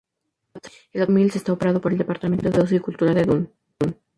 El Observatorio Mills está operado por el Departamento de Ocio y Cultura de Dundee.